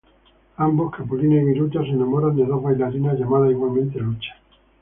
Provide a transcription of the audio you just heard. Ambos, Capulina y Viruta se enamoran de dos bailarinas llamadas igualmente Lucha.